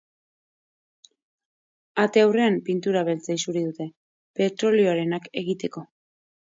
Ate aurrean pintura beltza isuri dute, petrolioarenak egiteko.